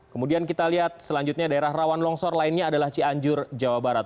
kemudian kita lihat selanjutnya daerah rawan longsor lainnya adalah cianjur jawa barat